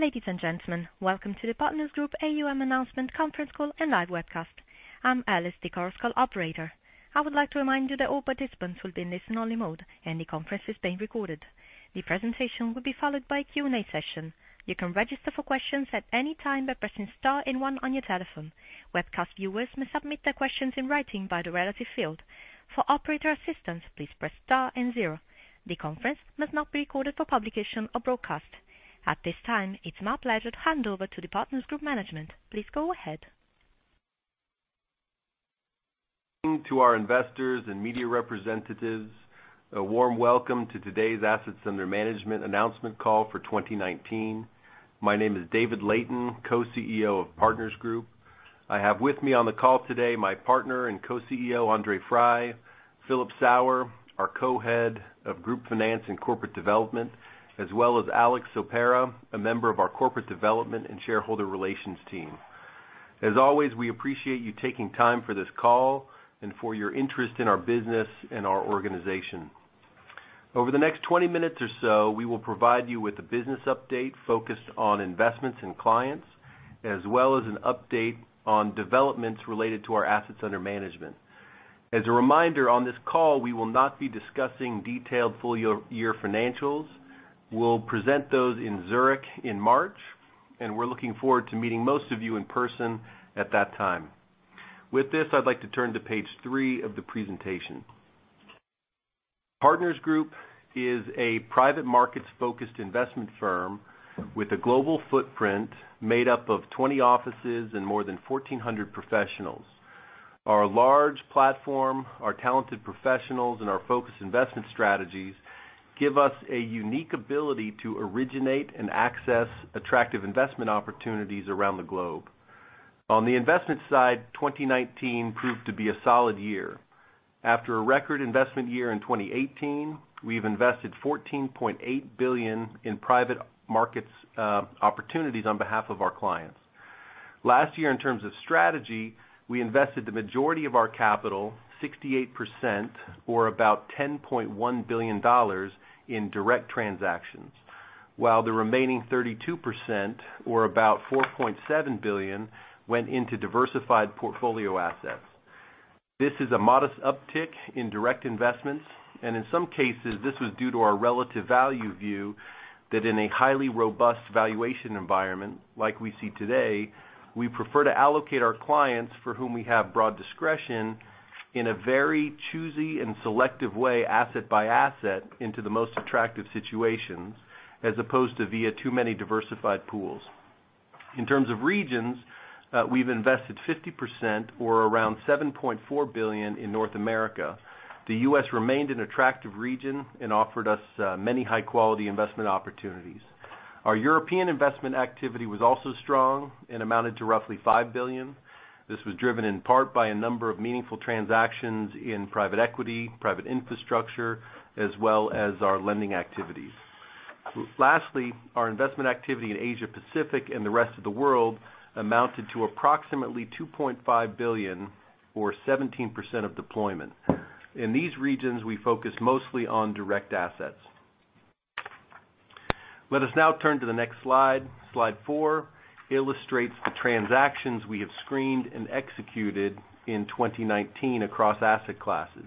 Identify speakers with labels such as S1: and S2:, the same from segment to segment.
S1: Ladies and gentlemen, welcome to the Partners Group AUM Announcement conference call and live webcast. I'm Alice, the conference call operator. I would like to remind you that all participants will be in listen-only mode, and the conference is being recorded. The presentation will be followed by a Q&A session. You can register for questions at any time by pressing star and one on your telephone. Webcast viewers may submit their questions in writing by the related field. For operator assistance, please press star and zero. The conference must not be recorded for publication or broadcast. At this time, it's my pleasure to hand over to Partners Group management. Please go ahead.
S2: To our investors and media representatives, a warm welcome to today's Assets Under Management Announcement Call for 2019. My name is David Layton, Co-CEO of Partners Group. I have with me on the call today my partner and Co-CEO, André Frei, Philip Sauer, our Co-head of Group Finance and Corporate Development, as well as Alex Sopera, a member of our Corporate Development and Shareholder Relations team. As always, we appreciate you taking time for this call and for your interest in our business and our organization. Over the next 20 minutes or so, we will provide you with a business update focused on investments in clients, as well as an update on developments related to our assets under management. As a reminder, on this call, we will not be discussing detailed full-year financials. We'll present those in Zurich in March, and we're looking forward to meeting most of you in person at that time. With this, I'd like to turn to page three of the presentation. Partners Group is a private markets-focused investment firm with a global footprint made up of 20 offices and more than 1,400 professionals. Our large platform, our talented professionals, and our focused investment strategies give us a unique ability to originate and access attractive investment opportunities around the globe. On the investment side, 2019 proved to be a solid year. After a record investment year in 2018, we've invested $14.8 billion in private markets opportunities on behalf of our clients. Last year, in terms of strategy, we invested the majority of our capital, 68%, or about $10.1 billion, in direct transactions, while the remaining 32%, or about $4.7 billion, went into diversified portfolio assets. This is a modest uptick in direct investments. In some cases, this was due to our relative value view that in a highly robust valuation environment like we see today, we prefer to allocate our clients for whom we have broad discretion in a very choosy and selective way, asset by asset, into the most attractive situations, as opposed to via too many diversified pools. In terms of regions, we've invested 50%, or around $7.4 billion in North America. The U.S. remained an attractive region and offered us many high-quality investment opportunities. Our European investment activity was also strong and amounted to roughly $5 billion. This was driven in part by a number of meaningful transactions in private equity, private infrastructure, as well as our lending activities. Lastly, our investment activity in Asia Pacific and the rest of the world amounted to approximately $2.5 billion or 17% of deployment. In these regions, we focused mostly on direct assets. Let us now turn to the next slide. Slide four illustrates the transactions we have screened and executed in 2019 across asset classes.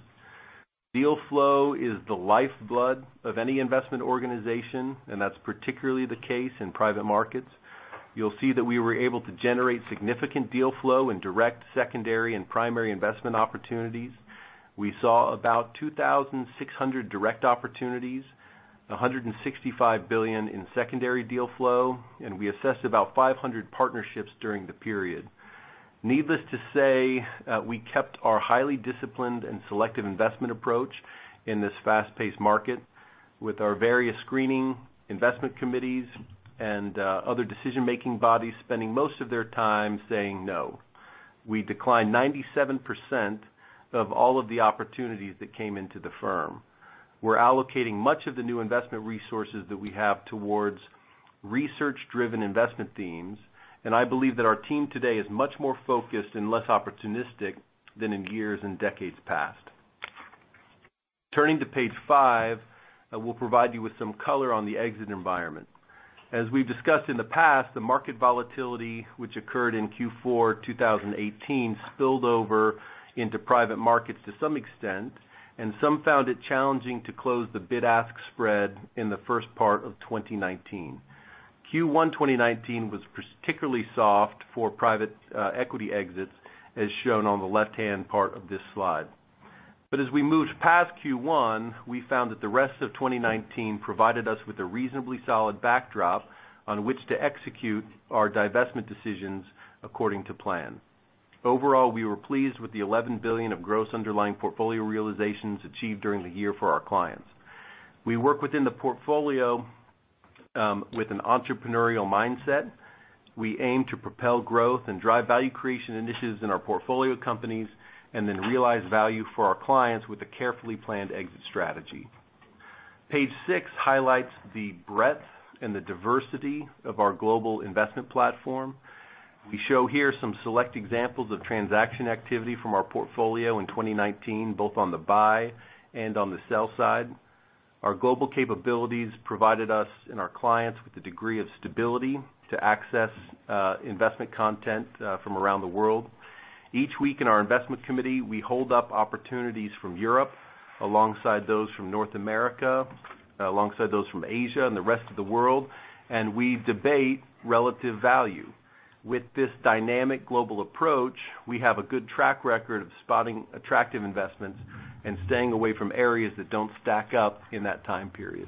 S2: Deal flow is the lifeblood of any investment organization, and that's particularly the case in private markets. You'll see that we were able to generate significant deal flow in direct, secondary, and primary investment opportunities. We saw about 2,600 direct opportunities, $165 billion in secondary deal flow, and we assessed about 500 partnerships during the period. Needless to say, we kept our highly disciplined and selective investment approach in this fast-paced market with our various screening investment committees and other decision-making bodies spending most of their time saying no. We declined 97% of all of the opportunities that came into the firm. We're allocating much of the new investment resources that we have towards research-driven investment themes, and I believe that our team today is much more focused and less opportunistic than in years and decades past. Turning to page five, we'll provide you with some color on the exit environment. As we've discussed in the past, the market volatility which occurred in Q4 2018 spilled over into private markets to some extent, and some found it challenging to close the bid-ask spread in the first part of 2019. Q1 2019 was particularly soft for private equity exits, as shown on the left-hand part of this slide. As we moved past Q1, we found that the rest of 2019 provided us with a reasonably solid backdrop on which to execute our divestment decisions according to plan. Overall, we were pleased with the $11 billion of gross underlying portfolio realizations achieved during the year for our clients. We work within the portfolio with an entrepreneurial mindset. We aim to propel growth and drive value creation initiatives in our portfolio companies and then realize value for our clients with a carefully planned exit strategy. Page six highlights the breadth and the diversity of our global investment platform. We show here some select examples of transaction activity from our portfolio in 2019, both on the buy and on the sell side. Our global capabilities provided us and our clients with a degree of stability to access investment content from around the world. Each week in our investment committee, we hold up opportunities from Europe, alongside those from North America, alongside those from Asia and the rest of the world, and we debate relative value. With this dynamic global approach, we have a good track record of spotting attractive investments and staying away from areas that don't stack up in that time period.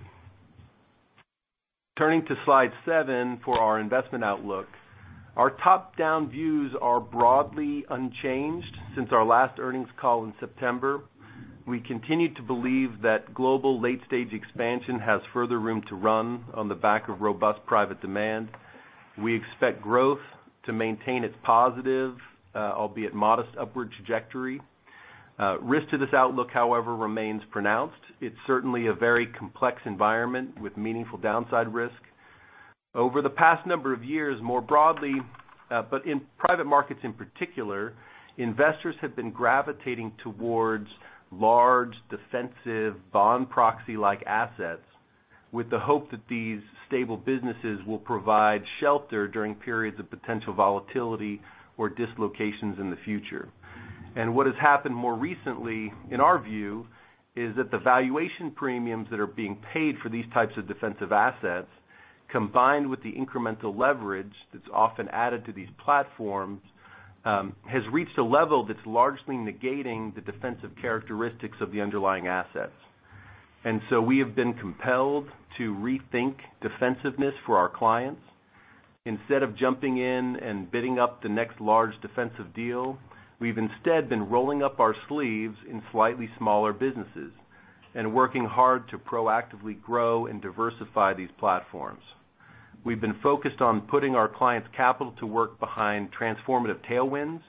S2: Turning to slide seven for our investment outlook. Our top-down views are broadly unchanged since our last earnings call in September. We continue to believe that global late-stage expansion has further room to run on the back of robust private demand. We expect growth to maintain its positive, albeit modest, upward trajectory. Risk to this outlook, however, remains pronounced. It's certainly a very complex environment with meaningful downside risk. Over the past number of years, more broadly, but in private markets in particular, investors have been gravitating towards large, defensive, bond proxy-like assets with the hope that these stable businesses will provide shelter during periods of potential volatility or dislocations in the future. What has happened more recently, in our view, is that the valuation premiums that are being paid for these types of defensive assets, combined with the incremental leverage that's often added to these platforms, has reached a level that's largely negating the defensive characteristics of the underlying assets. We have been compelled to rethink defensiveness for our clients. Instead of jumping in and bidding up the next large defensive deal, we've instead been rolling up our sleeves in slightly smaller businesses and working hard to proactively grow and diversify these platforms. We've been focused on putting our clients' capital to work behind transformative tailwinds,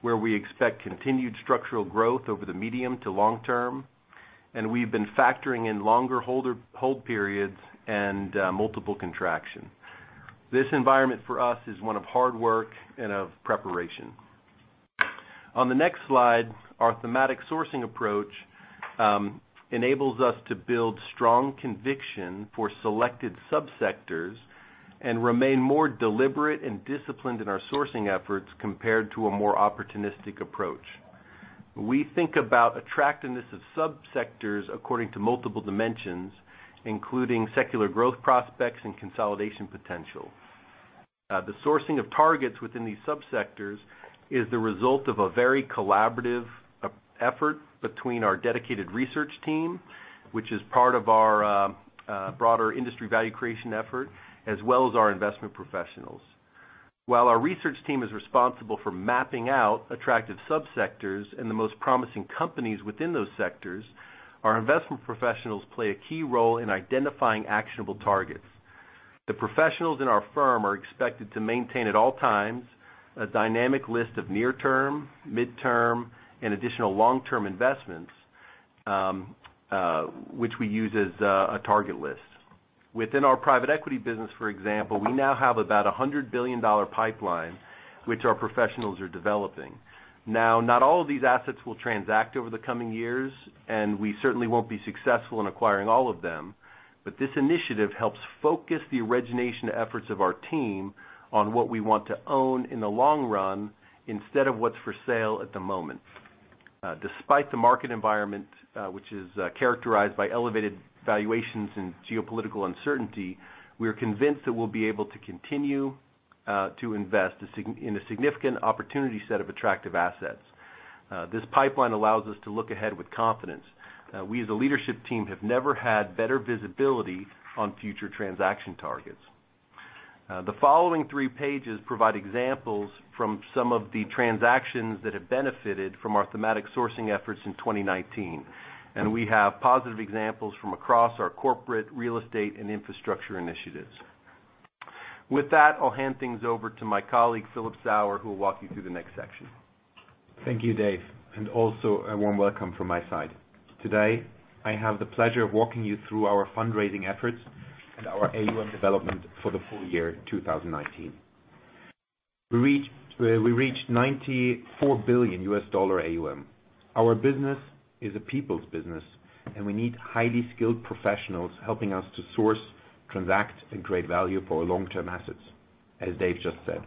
S2: where we expect continued structural growth over the medium to long term, and we've been factoring in longer hold periods and multiple contractions. This environment for us is one of hard work and of preparation. On the next slide, our thematic sourcing approach enables us to build strong conviction for selected subsectors and remain more deliberate and disciplined in our sourcing efforts compared to a more opportunistic approach. We think about attractiveness of subsectors according to multiple dimensions, including secular growth prospects and consolidation potential. The sourcing of targets within these subsectors is the result of a very collaborative effort between our dedicated research team, which is part of our broader industry value creation effort, as well as our investment professionals. While our research team is responsible for mapping out attractive subsectors and the most promising companies within those sectors, our investment professionals play a key role in identifying actionable targets. The professionals in our firm are expected to maintain at all times a dynamic list of near-term, midterm, and additional long-term investments, which we use as a target list. Within our private equity business, for example, we now have about $100 billion pipeline, which our professionals are developing. Now, not all of these assets will transact over the coming years, and we certainly won't be successful in acquiring all of them, but this initiative helps focus the origination efforts of our team on what we want to own in the long run instead of what's for sale at the moment. Despite the market environment, which is characterized by elevated valuations and geopolitical uncertainty, we are convinced that we'll be able to continue to invest in a significant opportunity set of attractive assets. This pipeline allows us to look ahead with confidence. We, as a leadership team, have never had better visibility on future transaction targets. The following three pages provide examples from some of the transactions that have benefited from our thematic sourcing efforts in 2019, and we have positive examples from across our corporate, real estate, and infrastructure initiatives. With that, I'll hand things over to my colleague, Philip Sauer, who will walk you through the next section.
S3: Thank you, Dave, and also a warm welcome from my side. Today, I have the pleasure of walking you through our fundraising efforts and our AUM development for the full year 2019. We reached $94 billion AUM. Our business is a people's business, and we need highly skilled professionals helping us to source, transact, and create value for our long-term assets, as Dave just said.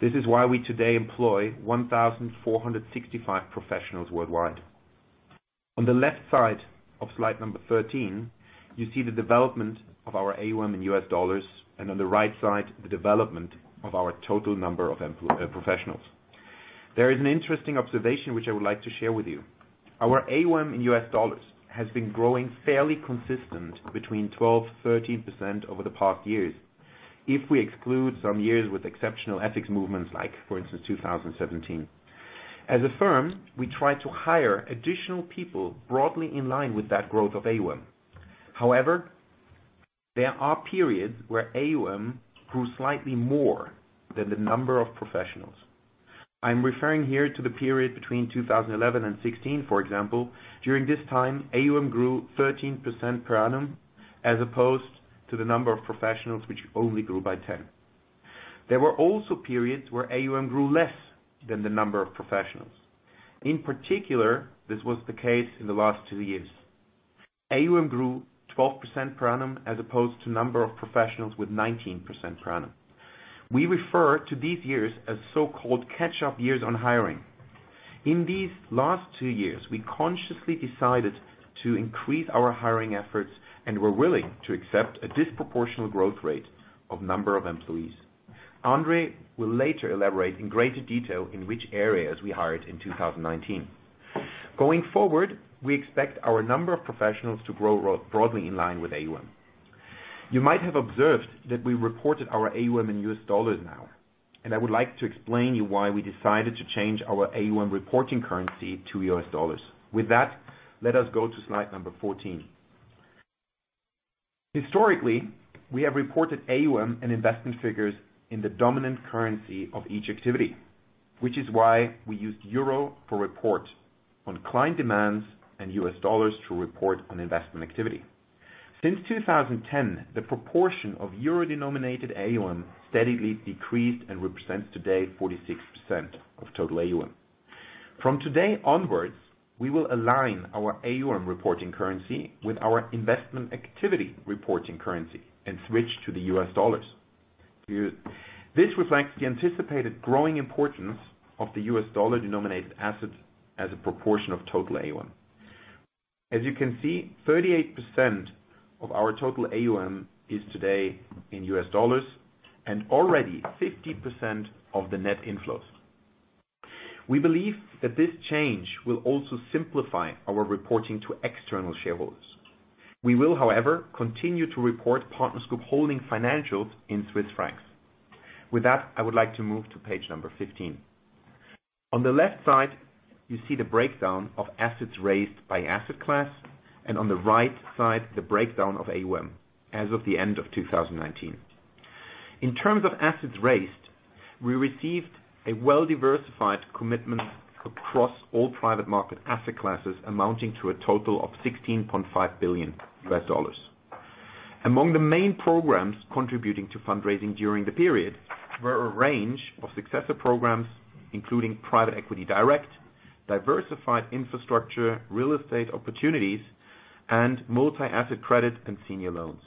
S3: This is why we today employ 1,465 professionals worldwide. On the left side of slide number 13, you see the development of our AUM in US dollars, and on the right side, the development of our total number of professionals. There is an interesting observation which I would like to share with you. Our AUM in US dollars has been growing fairly consistent between 12%, 13% over the past years if we exclude some years with exceptional FX movements like, for instance, 2017. As a firm, we try to hire additional people broadly in line with that growth of AUM. There are periods where AUM grew slightly more than the number of professionals. I'm referring here to the period between 2011 and 2016, for example. During this time, AUM grew 13% per annum, as opposed to the number of professionals, which only grew by 10. There were also periods where AUM grew less than the number of professionals. This was the case in the last two years. AUM grew 12% per annum as opposed to number of professionals with 19% per annum. We refer to these years as so-called catch-up years on hiring. In these last two years, we consciously decided to increase our hiring efforts and were willing to accept a disproportional growth rate of number of employees. André will later elaborate in greater detail in which areas we hired in 2019. Going forward, we expect our number of professionals to grow broadly in line with AUM. You might have observed that we reported our AUM in US dollars now, and I would like to explain to you why we decided to change our AUM reporting currency to US dollars. With that, let us go to slide number 14. Historically, we have reported AUM and investment figures in the dominant currency of each activity, which is why we used euro for report on client demands and US dollars to report on investment activity. Since 2010, the proportion of euro-denominated AUM steadily decreased and represents today 46% of total AUM. From today onwards, we will align our AUM reporting currency with our investment activity reporting currency and switch to the US dollars. This reflects the anticipated growing importance of the U.S. dollar-denominated assets as a proportion of total AUM. As you can see, 38% of our total AUM is today in U.S. dollars and already 50% of the net inflows. We believe that this change will also simplify our reporting to external shareholders. We will, however, continue to report Partners Group holding financials in Swiss francs. With that, I would like to move to page number 15. On the left side, you see the breakdown of assets raised by asset class, and on the right side, the breakdown of AUM as of the end of 2019. In terms of assets raised, we received a well-diversified commitment across all private market asset classes amounting to a total of $16.5 billion. Among the main programs contributing to fundraising during the period, were a range of successor programs, including private equity direct, diversified infrastructure, real estate opportunities, and multi-asset credit and senior loans.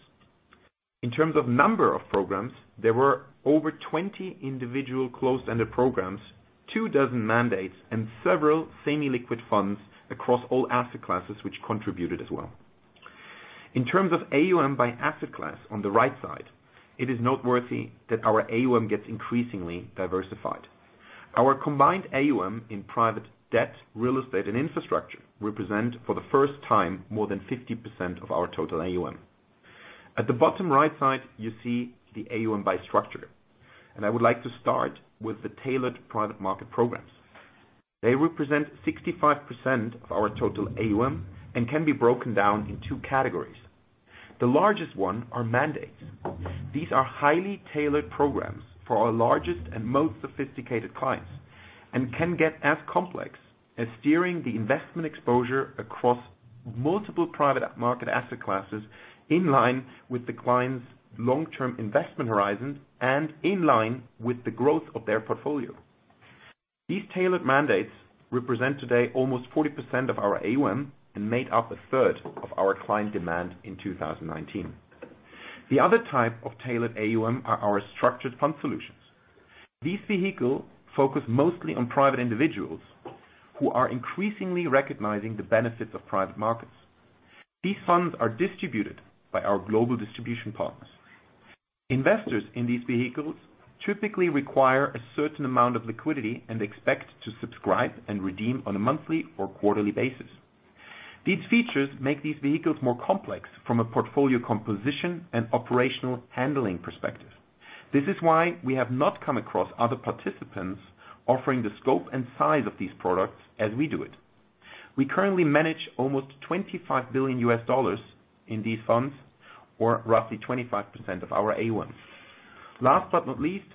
S3: In terms of number of programs, there were over 20 individual closed-ended programs, two dozen mandates, and several semi-liquid funds across all asset classes, which contributed as well. In terms of AUM by asset class on the right side, it is noteworthy that our AUM gets increasingly diversified. Our combined AUM in private debt, real estate, and infrastructure represent, for the first time, more than 50% of our total AUM. At the bottom right side, you see the AUM by structure. I would like to start with the tailored private market programs. They represent 65% of our total AUM and can be broken down in two categories. The largest one are mandates. These are highly tailored programs for our largest and most sophisticated clients and can get as complex as steering the investment exposure across multiple private market asset classes in line with the client's long-term investment horizon and in line with the growth of their portfolio. These tailored mandates represent today almost 40% of our AUM and made up a third of our client demand in 2019. The other type of tailored AUM are our structured fund solutions. This vehicle focus mostly on private individuals who are increasingly recognizing the benefits of private markets. These funds are distributed by our global distribution partners. Investors in these vehicles typically require a certain amount of liquidity and expect to subscribe and redeem on a monthly or quarterly basis. These features make these vehicles more complex from a portfolio composition and operational handling perspective. This is why we have not come across other participants offering the scope and size of these products as we do it. We currently manage almost $25 billion in these funds, or roughly 25% of our AUM. Last but not least,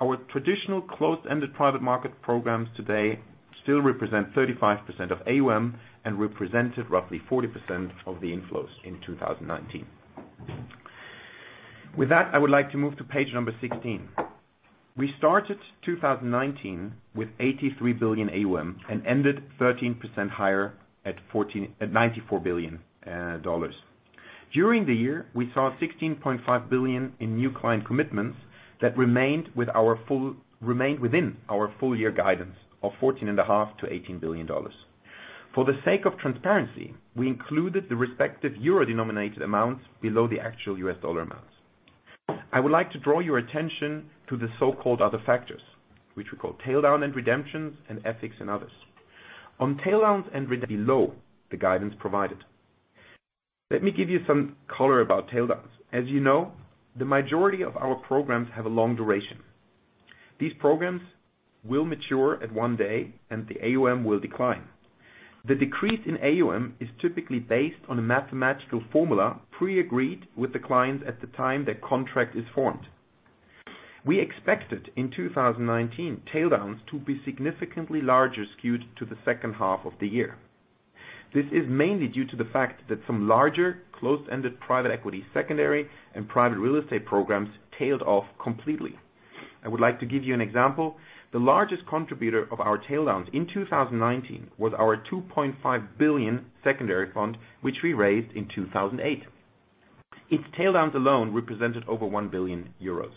S3: our traditional closed-ended private market programs today still represent 35% of AUM and represented roughly 40% of the inflows in 2019. With that, I would like to move to page number 16. We started 2019 with $83 billion AUM and ended 13% higher at $94 billion. During the year, we saw $16.5 billion in new client commitments that remained within our full-year guidance of $14.5 billion-$18 billion. For the sake of transparency, we included the respective euro-denominated amounts below the actual US dollar amounts. I would like to draw your attention to the so-called other factors, which we call tail down and redemptions and FX and others. Tail down below the guidance provided. Let me give you some color about taildowns. As you know, the majority of our programs have a long duration. These programs will mature at one day and the AUM will decline. The decrease in AUM is typically based on a mathematical formula pre-agreed with the client at the time their contract is formed. We expected in 2019, taildowns to be significantly larger skewed to the second half of the year. This is mainly due to the fact that some larger closed-ended private equity secondary and private real estate programs tailed off completely. I would like to give you an example. The largest contributor of our taildowns in 2019 was our $2.5 billion secondary fund, which we raised in 2008. Its taildowns alone represented over 1 billion euros.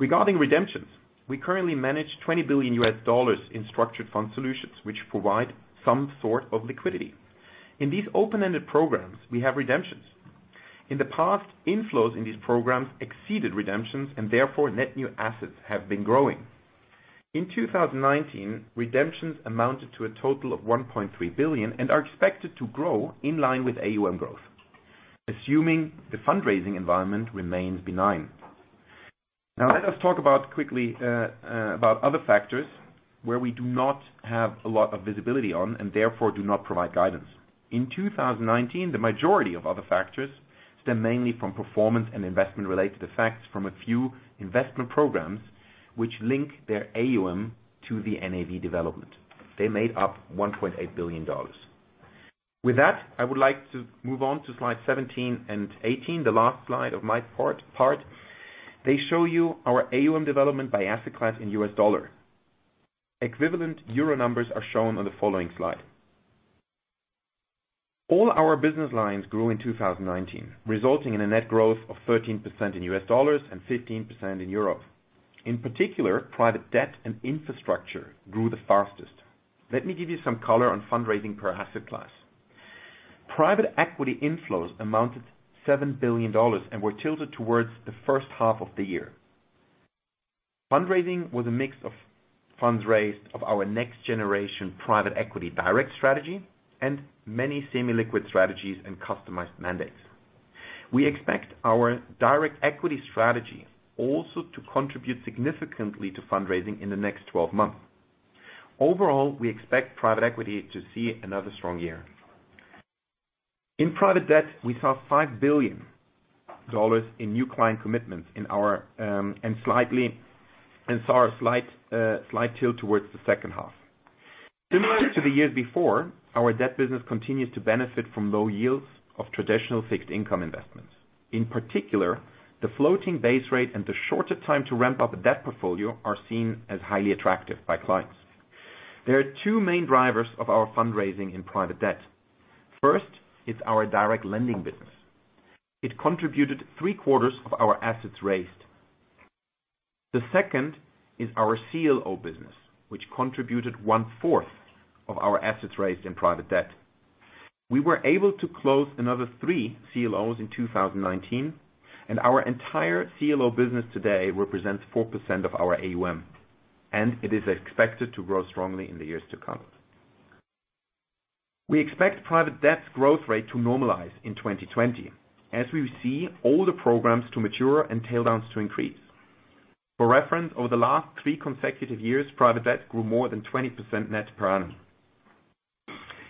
S3: Regarding redemptions, we currently manage $20 billion in structured fund solutions which provide some sort of liquidity. In these open-ended programs, we have redemptions. In the past, inflows in these programs exceeded redemptions, and therefore, net new assets have been growing. In 2019, redemptions amounted to a total of 1.3 billion and are expected to grow in line with AUM growth, assuming the fundraising environment remains benign. Now, let us talk quickly about other factors where we do not have a lot of visibility on and therefore do not provide guidance. In 2019, the majority of other factors stem mainly from performance and investment-related effects from a few investment programs which link their AUM to the NAV development. They made up EUR 1.8 billion. With that, I would like to move on to slide 17 and 18, the last slide of my part. They show you our AUM development by asset class in U.S. dollar. Equivalent EUR numbers are shown on the following slide. All our business lines grew in 2019, resulting in a net growth of 13% in U.S. dollars and 15% in EUR. In particular, private debt and infrastructure grew the fastest. Let me give you some color on fundraising per asset class. Private equity inflows amounted $7 billion and were tilted towards the first half of the year. Fundraising was a mix of funds raised of our next generation private equity direct strategy and many semi-liquid strategies and customized mandates. We expect our direct equity strategy also to contribute significantly to fundraising in the next 12 months. Overall, we expect private equity to see another strong year. In private debt, we saw $5 billion in new client commitments and saw a slight tilt towards the second half. Similar to the years before, our debt business continues to benefit from low yields of traditional fixed income investments. In particular, the floating base rate and the shorter time to ramp up a debt portfolio are seen as highly attractive by clients. There are two main drivers of our fundraising in private debt. First, it's our direct lending business. It contributed three-quarters of our assets raised. The second is our CLO business, which contributed one-fourth of our assets raised in private debt. We were able to close another three CLOs in 2019, and our entire CLO business today represents 4% of our AUM, and it is expected to grow strongly in the years to come. We expect private debt growth rate to normalize in 2020, as we see older programs to mature and taildowns to increase. For reference, over the last three consecutive years, private debt grew more than 20% net per annum.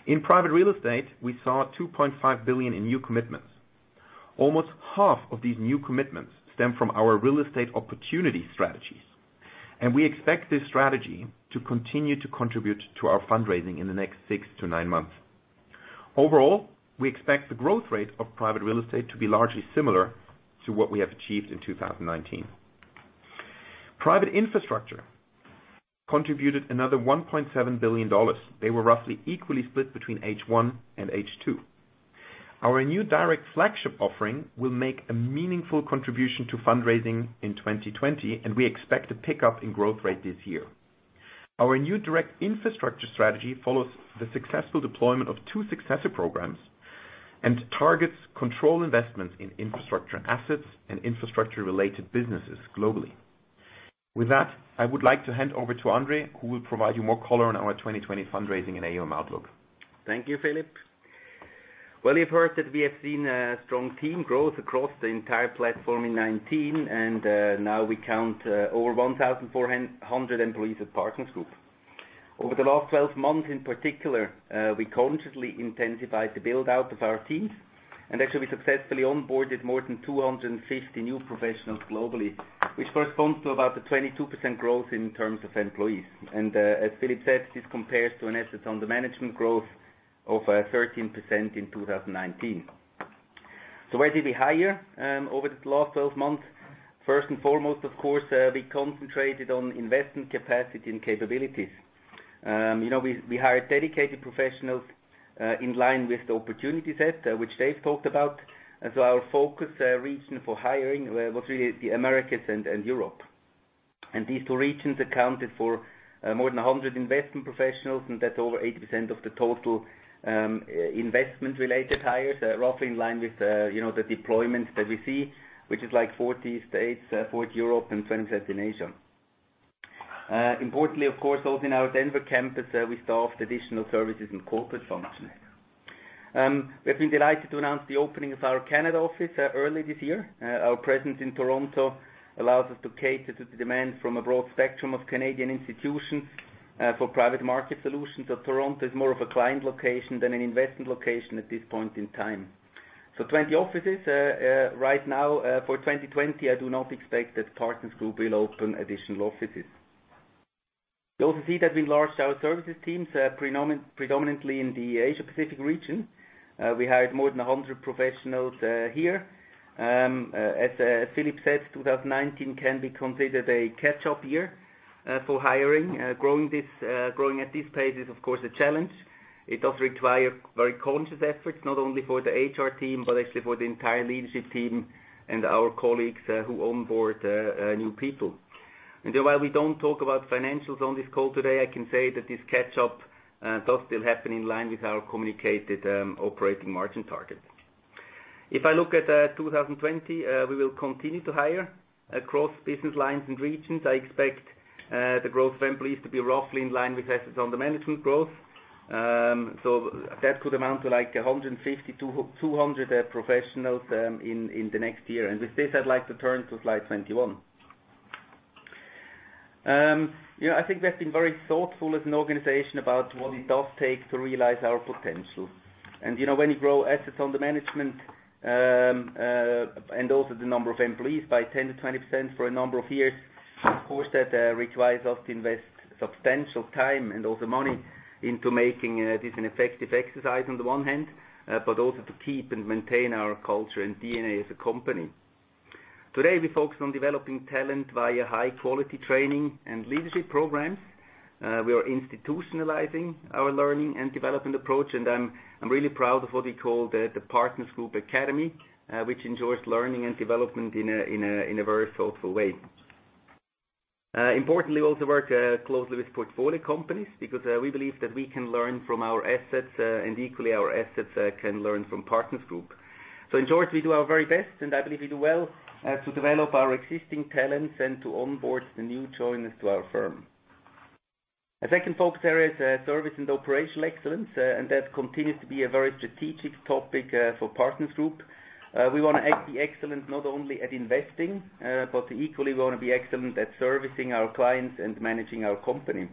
S3: In private real estate, we saw $2.5 billion in new commitments. Almost half of these new commitments stem from our real estate opportunity strategies, and we expect this strategy to continue to contribute to our fundraising in the next six to nine months. Overall, we expect the growth rate of private real estate to be largely similar to what we have achieved in 2019. Private infrastructure contributed another $1.7 billion. They were roughly equally split between H1 and H2. Our new direct flagship offering will make a meaningful contribution to fundraising in 2020, and we expect a pickup in growth rate this year. Our new direct infrastructure strategy follows the successful deployment of two successor programs and targets control investments in infrastructure assets and infrastructure-related businesses globally. With that, I would like to hand over to André, who will provide you more color on our 2020 fundraising and AUM outlook.
S4: Thank you, Philip. Well, you've heard that we have seen a strong team growth across the entire platform in 2019, and now we count over 1,400 employees at Partners Group. Over the last 12 months, in particular, we consciously intensified the build-out of our teams, and actually, we successfully onboarded more than 250 new professionals globally, which corresponds to about a 22% growth in terms of employees. As Philip said, this compares to an assets under management growth of 13% in 2019. Where did we hire over the last 12 months? First and foremost, of course, we concentrated on investment capacity and capabilities. We hired dedicated professionals in line with the opportunity set, which Dave talked about. Our focus region for hiring was really the Americas and Europe. These two regions accounted for more than 100 investment professionals, and that's over 80% of the total investment-related hires, roughly in line with the deployments that we see, which is like 40 States, 40 Europe and 20% in Asia. Importantly, of course, also in our Denver campus, we staffed additional services and corporate functions. We've been delighted to announce the opening of our Canada office early this year. Our presence in Toronto allows us to cater to the demand from a broad spectrum of Canadian institutions for private market solutions. Toronto is more of a client location than an investment location at this point in time. 20 offices right now. For 2020, I do not expect that Partners Group will open additional offices. You also see that we enlarged our services teams, predominantly in the Asia Pacific region. We hired more than 100 professionals here. As Philip said, 2019 can be considered a catch-up year for hiring. Growing at this pace is, of course, a challenge. It does require very conscious efforts, not only for the HR team, but actually for the entire leadership team and our colleagues who onboard new people. While we don't talk about financials on this call today, I can say that this catch-up does still happen in line with our communicated operating margin targets. If I look at 2020, we will continue to hire across business lines and regions. I expect the growth of employees to be roughly in line with assets under management growth. That could amount to 150 to 200 professionals in the next year. With this, I'd like to turn to slide 21. I think we have been very thoughtful as an organization about what it does take to realize our potential. When you grow Assets Under Management, and also the number of employees by 10% to 20% for a number of years, of course that requires us to invest substantial time and also money into making this an effective exercise on the one hand, but also to keep and maintain our culture and DNA as a company. Today, we focus on developing talent via high-quality training and leadership programs. We are institutionalizing our learning and development approach, and I'm really proud of what we call the Partners Group Academy, which ensures learning and development in a very thoughtful way. Importantly, we also work closely with portfolio companies because we believe that we can learn from our assets, and equally our assets can learn from Partners Group. In short, we do our very best, and I believe we do well to develop our existing talents and to onboard the new joiners to our firm. The second focus area is service and operational excellence, and that continues to be a very strategic topic for Partners Group. We want to be excellent not only at investing, but equally, we want to be excellent at servicing our clients and managing our company.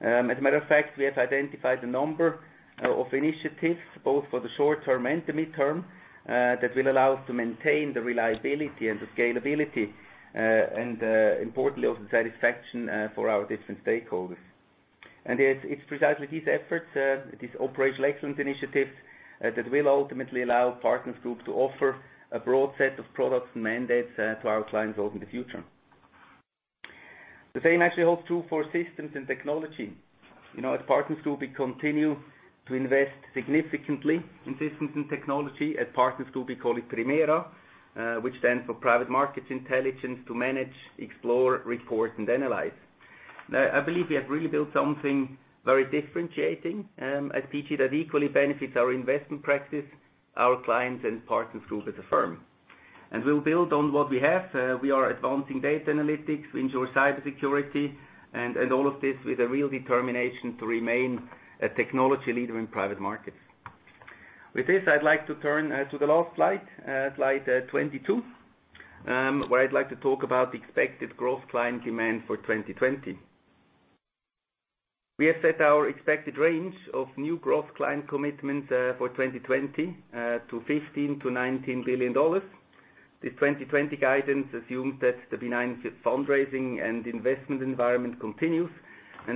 S4: As a matter of fact, we have identified a number of initiatives, both for the short term and the midterm, that will allow us to maintain the reliability and the scalability, and importantly, also the satisfaction for our different stakeholders. It's precisely these efforts, these operational excellence initiatives, that will ultimately allow Partners Group to offer a broad set of products and mandates to our clients also in the future. The same actually holds true for systems and technology. At Partners Group, we continue to invest significantly in systems and technology. At Partners Group, we call it PRIMERA, which stands for Private Markets Intelligence to Manage, Explore, Report, and Analyze. I believe we have really built something very differentiating at PG that equally benefits our investment practice, our clients, and Partners Group as a firm. We'll build on what we have. We are advancing data analytics, we ensure cybersecurity, and all of this with a real determination to remain a technology leader in private markets. With this, I'd like to turn to the last slide 22, where I'd like to talk about the expected growth client demand for 2020. We have set our expected range of new growth client commitments for 2020 to $15 billion-$19 billion. This 2020 guidance assumes that the benign fundraising and investment environment continues.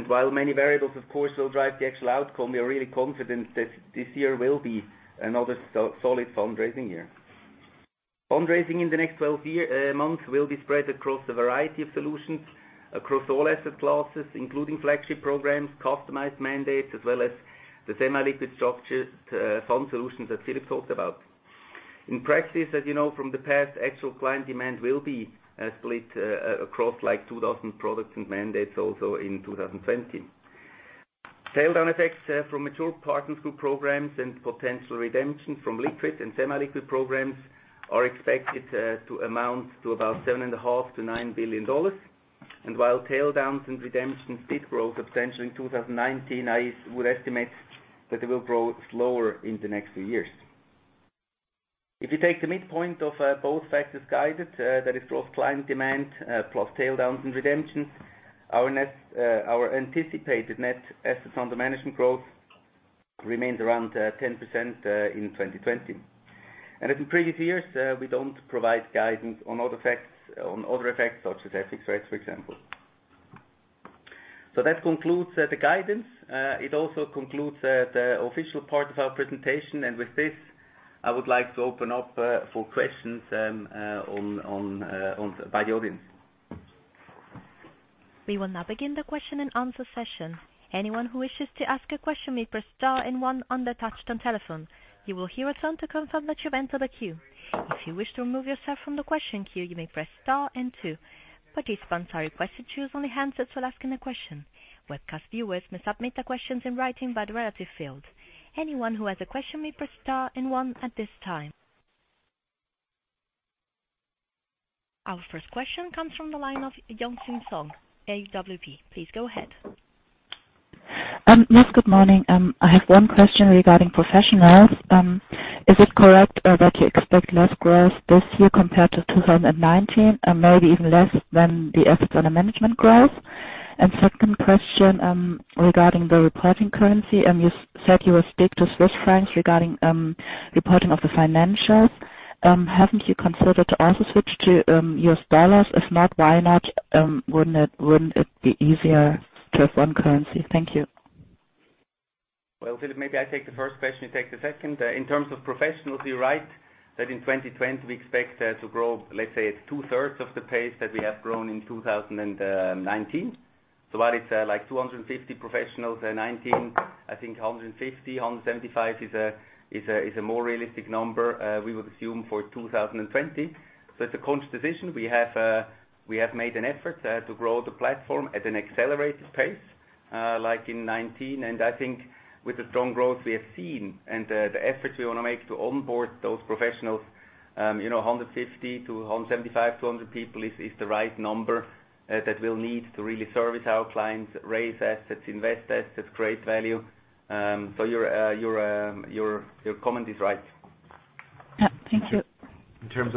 S4: While many variables, of course, will drive the actual outcome, we are really confident that this year will be another solid fundraising year. Fundraising in the next 12 months will be spread across a variety of solutions across all asset classes, including flagship programs, customized mandates, as well as the semi-liquid structured fund solutions that Philip talked about. In practice, as you know from the past, actual client demand will be split across 2,000 products and mandates also in 2020. Taildown effects from mature Partners Group programs and potential redemptions from liquid and semi-liquid programs are expected to amount to about $7.5 billion-$9 billion. While taildowns and redemptions did grow substantially in 2019, I would estimate that they will grow slower in the next few years. If you take the midpoint of both factors guided, that is growth client demand plus taildowns and redemptions, our anticipated net assets under management growth remains around 10% in 2020. As in previous years, we don't provide guidance on other effects such as FX rates, for example. That concludes the guidance. It also concludes the official part of our presentation. With this, I would like to open up for questions by the audience.
S1: We will now begin the question and answer session. Anyone who wishes to ask a question may press star and one on their touch-tone telephone. You will hear a tone to confirm that you've entered a queue. If you wish to remove yourself from the question queue, you may press star and two. Participants are requested to use only handsets when asking a question. Webcast viewers may submit their questions in writing by the relative field. Anyone who has a question may press star and one at this time. Our first question comes from the line of Young-Sim Song, AWP. Please go ahead.
S5: Yes, good morning. I have one question regarding professionals. Is it correct that you expect less growth this year compared to 2019, and maybe even less than the assets under management growth? Second question regarding the reporting currency, you said you will stick to Swiss francs regarding reporting of the financials. Haven't you considered to also switch to US dollars? If not, why not? Wouldn't it be easier to have one currency? Thank you.
S4: Philip, maybe I take the first question, you take the second. In terms of professionals, you're right that in 2020 we expect to grow, let's say, two-thirds of the pace that we have grown in 2019. While it's like 250 professionals in 2019, I think 150, 175 is a more realistic number we would assume for 2020. I think with the strong growth we have seen and the efforts we want to make to onboard those professionals, 150 to 175, 200 people is the right number that we'll need to really service our clients, raise assets, invest assets, create value. Your comment is right.
S5: Yeah. Thank you.
S3: In terms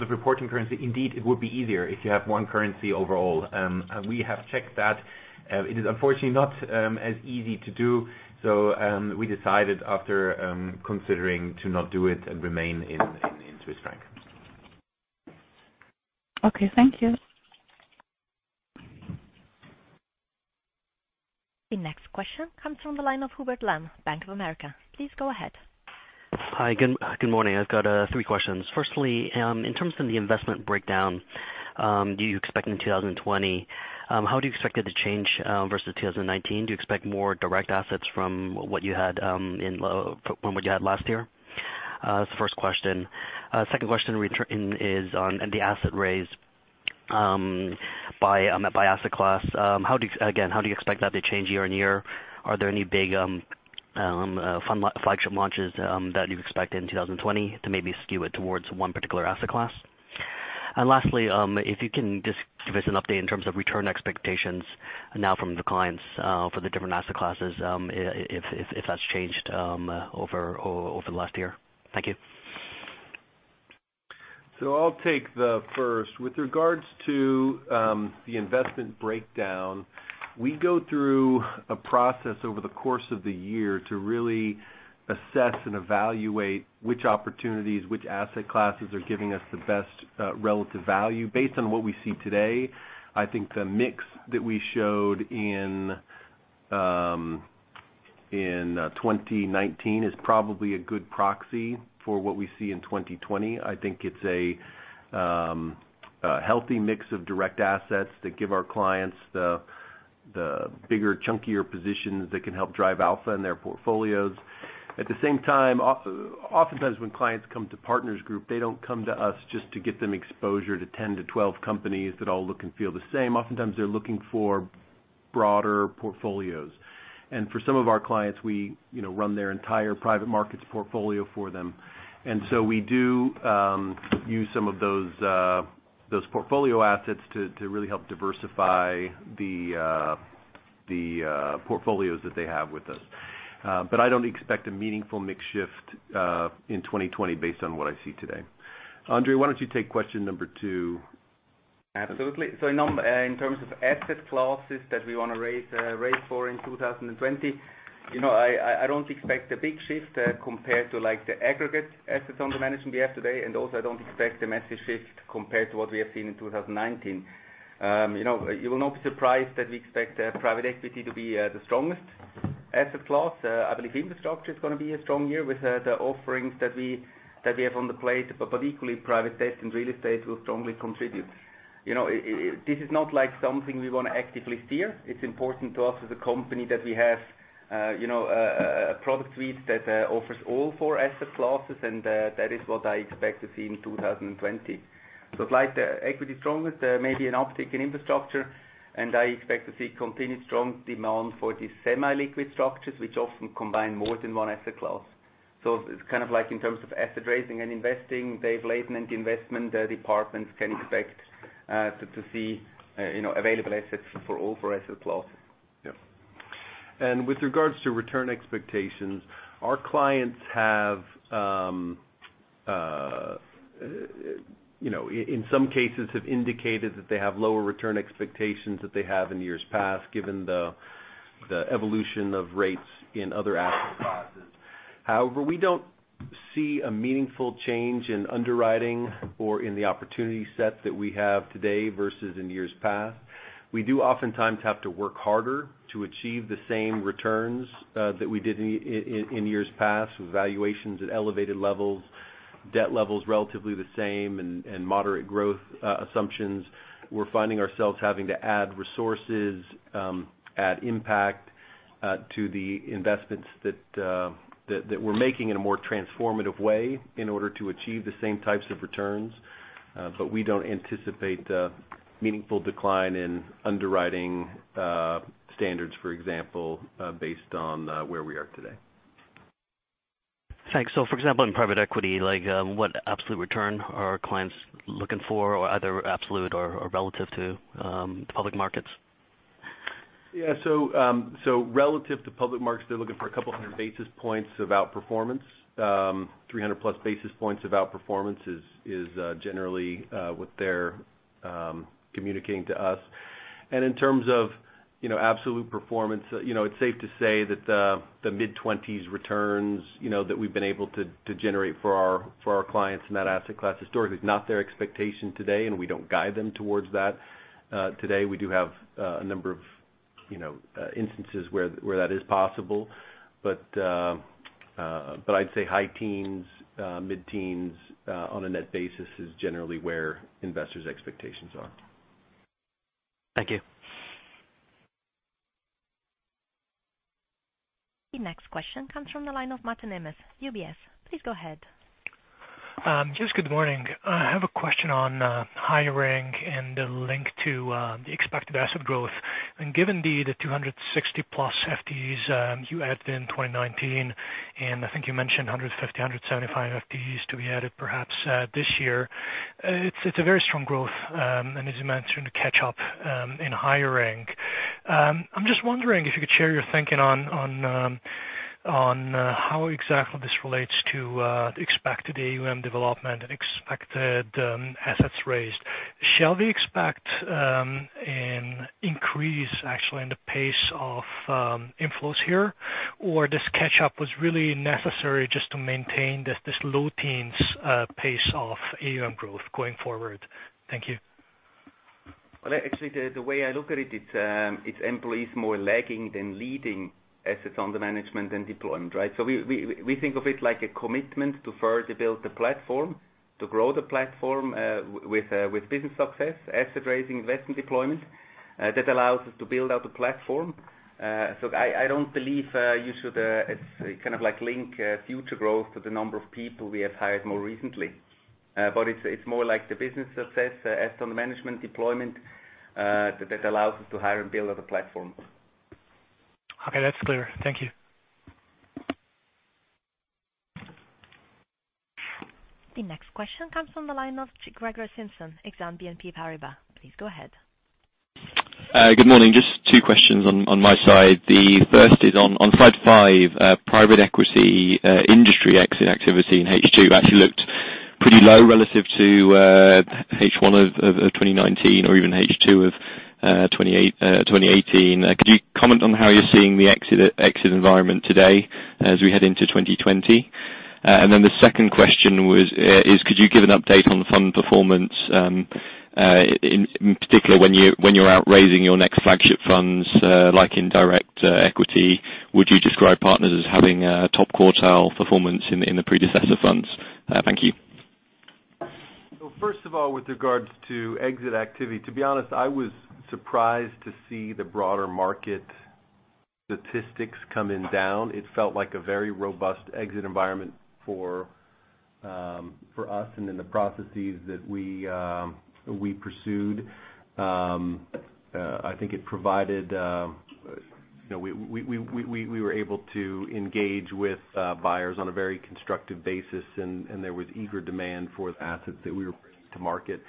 S3: of reporting currency, indeed, it would be easier if you have one currency overall. We have checked that. It is unfortunately not as easy to do. We decided after considering to not do it and remain in Swiss franc.
S5: Okay. Thank you.
S1: The next question comes from the line of Hubert Lam, Bank of America. Please go ahead.
S6: Hi, good morning. I've got three questions. Firstly, in terms of the investment breakdown you expect in 2020, how do you expect it to change versus 2019? Do you expect more direct assets from what you had last year? That's the first question. Second question is on the asset raise by asset class. Again, how do you expect that to change year-on-year? Are there any big flagship launches that you expect in 2020 to maybe skew it towards one particular asset class? Lastly, if you can just give us an update in terms of return expectations now from the clients for the different asset classes, if that's changed over the last year. Thank you.
S2: I'll take the first. With regards to the investment breakdown, we go through a process over the course of the year to really assess and evaluate which opportunities, which asset classes are giving us the best relative value. Based on what we see today, I think the mix that we showed in 2019 is probably a good proxy for what we see in 2020. I think it's a healthy mix of direct assets that give our clients the bigger, chunkier positions that can help drive alpha in their portfolios. At the same time, oftentimes when clients come to Partners Group, they don't come to us just to get them exposure to 10 to 12 companies that all look and feel the same. Oftentimes they're looking for broader portfolios. For some of our clients, we run their entire private markets portfolio for them. We do use some of those portfolio assets to really help diversify the portfolios that they have with us. I don't expect a meaningful mix shift in 2020 based on what I see today. André, why don't you take question number two?
S4: Absolutely. In terms of asset classes that we want to raise for in 2020, I don't expect a big shift compared to the aggregate assets under management we have today. Also, I don't expect a massive shift compared to what we have seen in 2019. You will not be surprised that we expect private equity to be the strongest asset class. I believe infrastructure is going to be a strong year with the offerings that we have on the plate. Equally, private debt and real estate will strongly contribute. This is not something we want to actively steer. It's important to us as a company that we have a product suite that offers all 4 asset classes, and that is what I expect to see in 2020. Slight equity strongest, maybe an uptick in infrastructure, and I expect to see continued strong demand for the semi-liquid structures, which often combine more than one asset class. It's like in terms of asset raising and investing, the placement investment departments can expect to see available assets for all four asset classes.
S2: Yeah. With regards to return expectations, our clients have, in some cases, indicated that they have lower return expectations than they have in years past, given the evolution of rates in other asset classes. However, we don't see a meaningful change in underwriting or in the opportunity set that we have today versus in years past. We do oftentimes have to work harder to achieve the same returns that we did in years past, with valuations at elevated levels, debt levels relatively the same, and moderate growth assumptions. We're finding ourselves having to add resources, add impact to the investments that we're making in a more transformative way in order to achieve the same types of returns. We don't anticipate a meaningful decline in underwriting standards, for example, based on where we are today.
S6: Thanks. For example, in private equity, what absolute return are clients looking for or either absolute or relative to public markets?
S2: Yeah. Relative to public markets, they're looking for a couple of 100 basis points of outperformance. 300 plus basis points of outperformance is generally what they're communicating to us. In terms of absolute performance, it's safe to say that the mid-20s returns that we've been able to generate for our clients in that asset class historically is not their expectation today, and we don't guide them towards that. Today, we do have a number of instances where that is possible. I'd say high teens, mid-teens, on a net basis is generally where investors' expectations are.
S6: Thank you.
S1: The next question comes from the line of Emmet Martin, UBS. Please go ahead.
S7: Just good morning. I have a question on hiring and the link to the expected asset growth. Given the 260+ FTEs you added in 2019, I think you mentioned 150, 175 FTEs to be added, perhaps, this year, it's a very strong growth, and it's meant to catch up in hiring. I'm just wondering if you could share your thinking on how exactly this relates to expected AUM development and expected assets raised. Shall we expect an increase, actually, in the pace of inflows here? This catch-up was really necessary just to maintain this low teens pace of AUM growth going forward? Thank you.
S4: Well, actually, the way I look at it's employees more lagging than leading assets under management and deployment, right? We think of it like a commitment to further build the platform, to grow the platform, with business success, asset raising, investment deployment. That allows us to build out a platform. I don't believe you should link future growth to the number of people we have hired more recently. It's more like the business success, asset under management deployment, that allows us to hire and build out the platform.
S7: Okay, that's clear. Thank you.
S1: The next question comes from the line of Gregory Simpson, Exane BNP Paribas. Please go ahead.
S8: Good morning. Just two questions on my side. The first is on slide five, private equity industry exit activity in H2 actually looked pretty low relative to H1 of 2019 or even H2 of 2018. Could you comment on how you're seeing the exit environment today as we head into 2020? The second question is, could you give an update on fund performance, in particular when you're out raising your next flagship funds, like in direct equity, would you describe Partners as having a top quartile performance in the predecessor funds? Thank you.
S2: First of all, with regards to exit activity, to be honest, I was surprised to see the broader market statistics coming down. It felt like a very robust exit environment for us and then the processes that we pursued. We were able to engage with buyers on a very constructive basis, and there was eager demand for the assets that we were bringing to market.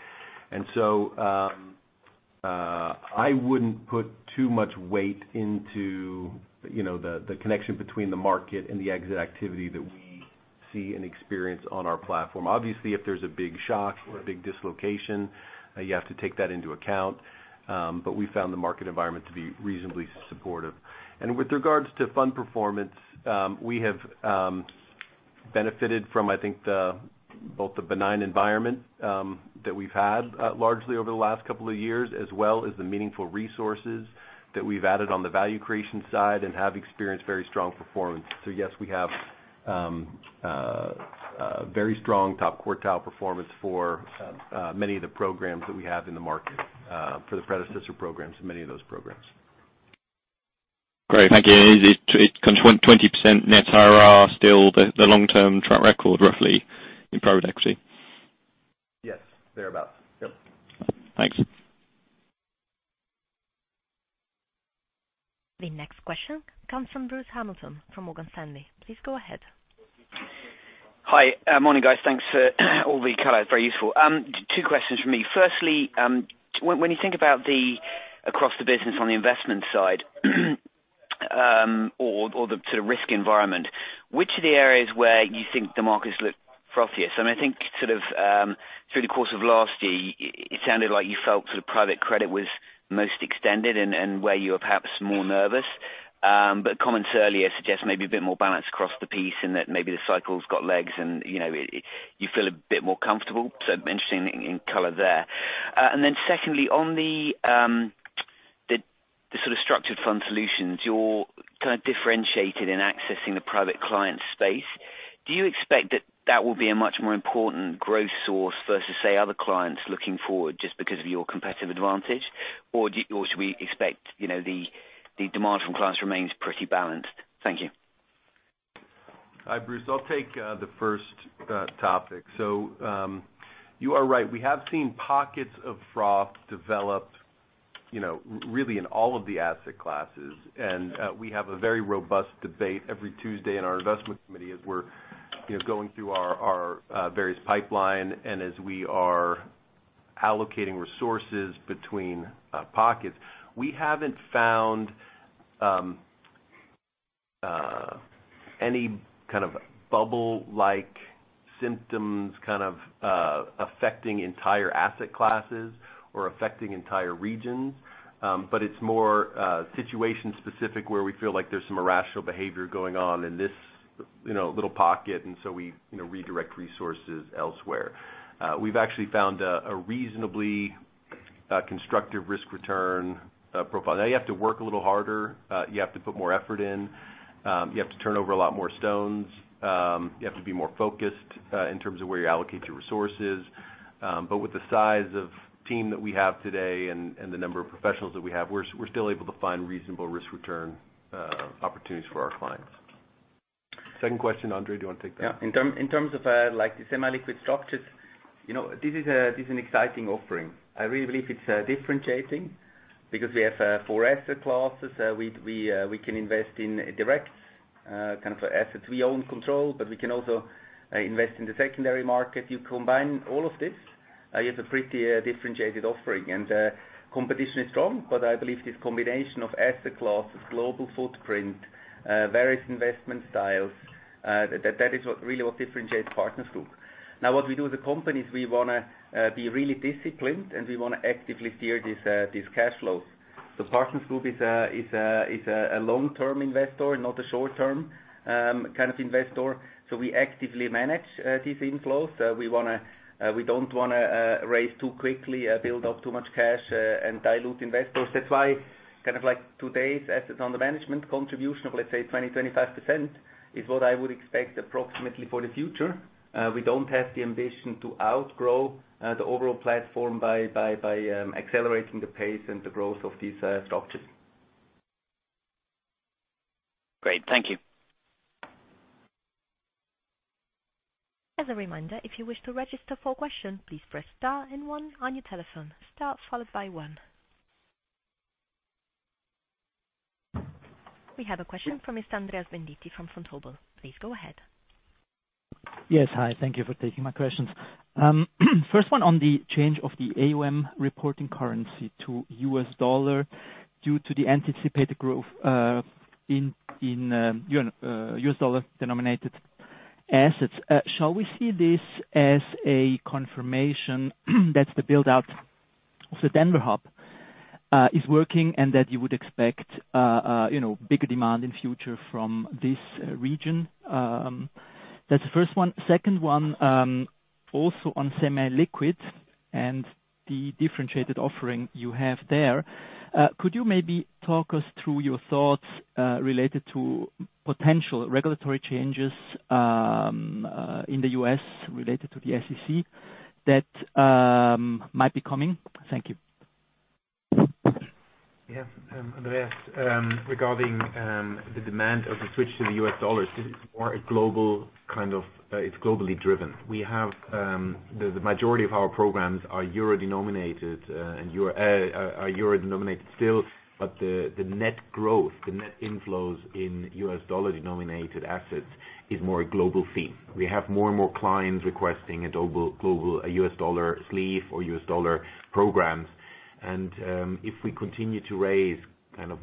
S2: I wouldn't put too much weight into the connection between the market and the exit activity that we see and experience on our platform. Obviously, if there's a big shock or a big dislocation, you have to take that into account. We found the market environment to be reasonably supportive. With regards to fund performance, we have benefited from, I think, both the benign environment that we've had largely over the last couple of years, as well as the meaningful resources that we've added on the value creation side and have experienced very strong performance. Yes, we have very strong top quartile performance for many of the programs that we have in the market, for the predecessor programs, many of those programs.
S8: Great. Thank you. Is the 20% net IRR still the long-term track record, roughly, in private equity?
S2: Yes. Thereabout. Yep.
S8: Thanks.
S1: The next question comes from Bruce Hamilton from Morgan Stanley. Please go ahead.
S9: Hi. Morning, guys. Thanks for all the color. Very useful. Two questions from me. Firstly, when you think about across the business on the investment side, or the sort of risk environment, which are the areas where you think the markets look frothiest? I think through the course of last year, it sounded like you felt private credit was most extended and where you were perhaps more nervous. Comments earlier suggest maybe a bit more balance across the piece and that maybe the cycle's got legs and you feel a bit more comfortable. I'm interested in color there. Secondly, on the sort of structured fund solutions, you're kind of differentiated in accessing the private client space. Do you expect that that will be a much more important growth source versus, say, other clients looking forward just because of your competitive advantage? Should we expect the demand from clients remains pretty balanced? Thank you.
S2: Hi, Bruce. I'll take the first topic. You are right. We have seen pockets of froth develop Really in all of the asset classes, and we have a very robust debate every Tuesday in our investment committee as we're going through our various pipeline and as we are allocating resources between pockets. We haven't found any kind of bubble-like symptoms affecting entire asset classes or affecting entire regions. It's more situation specific where we feel like there's some irrational behavior going on in this little pocket, and so we redirect resources elsewhere. We've actually found a reasonably constructive risk-return profile. Now you have to work a little harder. You have to put more effort in. You have to turn over a lot more stones. You have to be more focused in terms of where you allocate your resources. With the size of team that we have today and the number of professionals that we have, we're still able to find reasonable risk-return opportunities for our clients. Second question, André, do you want to take that?
S4: Yeah. In terms of semi-liquid structures, this is an exciting offering. I really believe it's differentiating because we have four asset classes. We can invest in direct assets we own and control, but we can also invest in the secondary market. You combine all of this, you have a pretty differentiated offering. Competition is strong, but I believe this combination of asset classes, global footprint, various investment styles, that is what really what differentiates Partners Group. What we do as a company is we want to be really disciplined and we want to actively steer these cash flows. Partners Group is a long-term investor, not a short-term kind of investor, so we actively manage these inflows. We don't want to raise too quickly, build up too much cash, and dilute investors. That's why today's assets under management contribution of, let's say, 20%, 25%, is what I would expect approximately for the future. We don't have the ambition to outgrow the overall platform by accelerating the pace and the growth of these structures.
S9: Great. Thank you.
S1: As a reminder, if you wish to register for question, please press star and one on your telephone. Star followed by one. We have a question from Mr. Andreas Bendit from Vontobel. Please go ahead.
S10: Yes. Hi. Thank you for taking my questions. First one on the change of the AUM reporting currency to U.S. dollar due to the anticipated growth in U.S. dollar-denominated assets. Shall we see this as a confirmation that the build-out of the Denver hub is working, and that you would expect bigger demand in future from this region? That's the first one. Second one, also on semi-liquid and the differentiated offering you have there. Could you maybe talk us through your thoughts related to potential regulatory changes in the U.S. related to the SEC that might be coming? Thank you.
S4: Yeah. Andreas, regarding the demand of the switch to the US dollars, it is globally driven. The majority of our programs are euro denominated still, but the net growth, the net inflows in US dollar-denominated assets is more a global theme. We have more and more clients requesting a US dollar sleeve or US dollar programs. If we continue to raise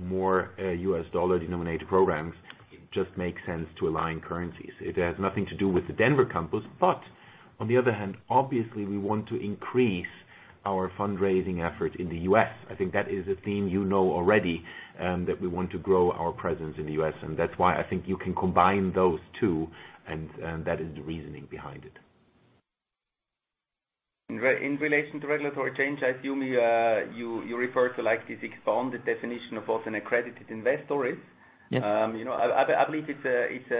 S4: more US dollar-denominated programs, it just makes sense to align currencies. It has nothing to do with the Denver campus. On the other hand, obviously, we want to increase our fundraising effort in the U.S. I think that is a theme you know already, that we want to grow our presence in the U.S., and that's why I think you can combine those two, and that is the reasoning behind it. In relation to regulatory change, I assume you refer to this expanded definition of what an accredited investor is.
S10: Yeah.
S4: I believe it's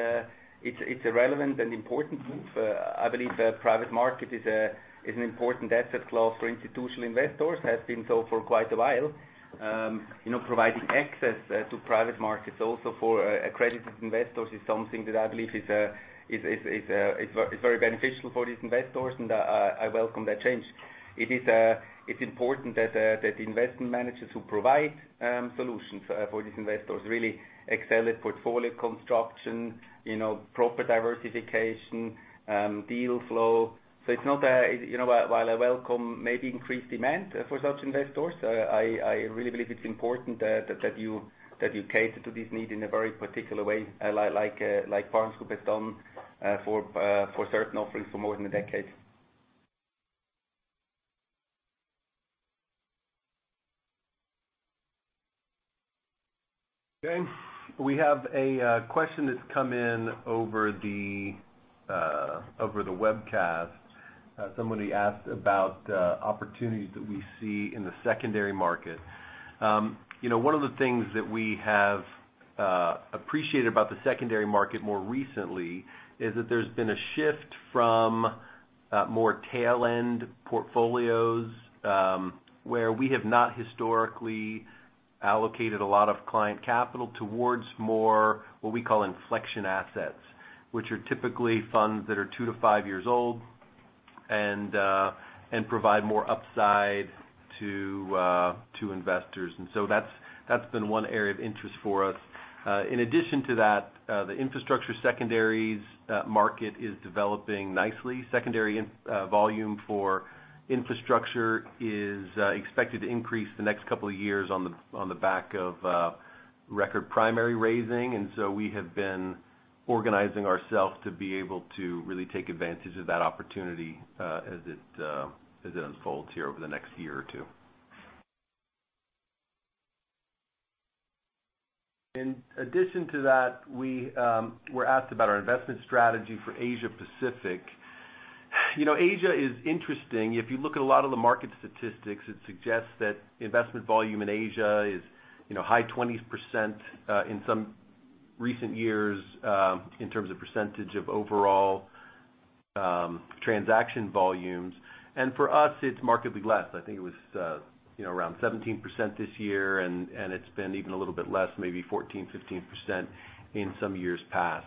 S4: a relevant and important move. I believe private markets is an important asset class for institutional investors. Has been so for quite a while. Providing access to private markets also for accredited investors is something that I believe is very beneficial for these investors, and I welcome that change. It's important that investment managers who provide solutions for these investors really excel at portfolio construction, proper diversification, deal flow. While I welcome maybe increased demand for such investors, I really believe it's important that you cater to this need in a very particular way, like Partners Group has done for certain offerings for more than a decade.
S2: We have a question that's come in over the webcast. Somebody asked about opportunities that we see in the secondary market. One of the things that we have appreciated about the secondary market more recently is that there's been a shift from more tail-end portfolios where we have not historically allocated a lot of client capital towards more what we call inflection assets, which are typically funds that are 2 to 5 years old and provide more upside to investors. That's been one area of interest for us. In addition to that, the infrastructure secondaries market is developing nicely. Secondary volume for infrastructure is expected to increase the next couple of years on the back of record primary raising. We have been organizing ourselves to be able to really take advantage of that opportunity as it unfolds here over the next year or two. In addition to that, we were asked about our investment strategy for Asia Pacific. Asia is interesting. If you look at a lot of the market statistics, it suggests that investment volume in Asia is high 20% in some recent years in terms of percentage of overall transaction volumes. For us, it's markedly less. I think it was around 17% this year, and it's been even a little bit less, maybe 14%, 15% in some years past.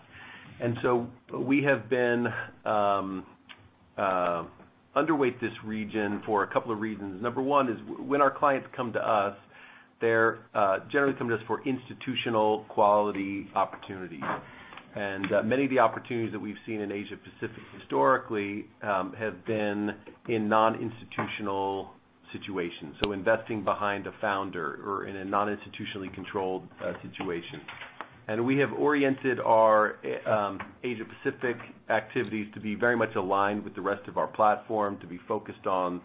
S2: We have been underweight this region for a couple of reasons. Number one is when our clients come to us, they're generally coming to us for institutional quality opportunities. Many of the opportunities that we've seen in Asia Pacific historically have been in non-institutional situations, so investing behind a founder or in a non-institutionally controlled situation. We have oriented our Asia Pacific activities to be very much aligned with the rest of our platform, to be focused on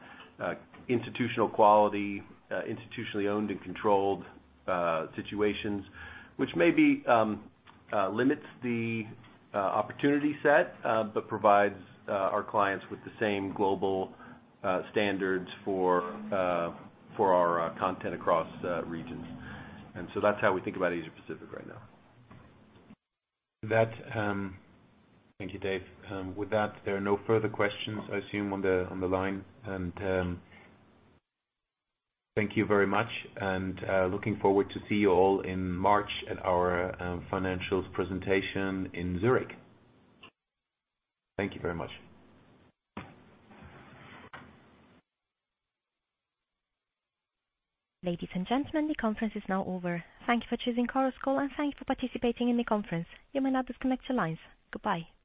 S2: institutional quality, institutionally owned and controlled situations, which maybe limits the opportunity set but provides our clients with the same global standards for our content across regions. That's how we think about Asia Pacific right now.
S3: Thank you, Dave. With that, there are no further questions, I assume, on the line. Thank you very much, and looking forward to see you all in March at our financials presentation in Zurich. Thank you very much.
S1: Ladies and gentlemen, the conference is now over. Thank you for choosing Chorus Call, and thank you for participating in the conference. You may now disconnect your lines. Goodbye.